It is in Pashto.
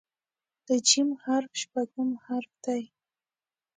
د "ج" حرف شپږم حرف دی.